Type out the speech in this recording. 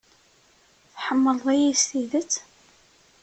Tḥemmleḍ-iyi s tidet?